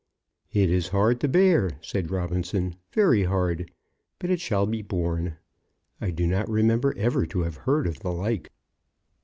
"It is hard to bear," said Robinson, "very hard. But it shall be borne. I do not remember ever to have heard of the like."